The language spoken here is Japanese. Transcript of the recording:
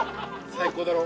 最高だろ？